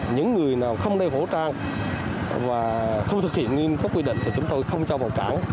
những người nào không đeo khẩu trang và không thực hiện nghiêm cấp quy định thì chúng tôi không cho vào cảng